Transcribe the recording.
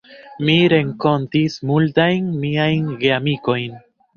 Mi renkontis multajn miajn geamikojn.